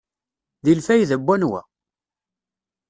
Deg lfayda n wanwa?